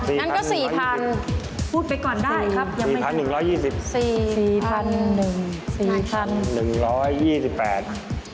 นั่นก็๔๑๒๐บาทพูดไปก่อนได้ครับยังไม่คิด๔๑๒๐บาท